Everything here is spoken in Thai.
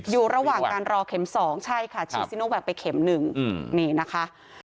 อยู่ระหว่างการรอเข็มสองใช่ค่ะไปเข็มหนึ่งอืมนี่นะคะ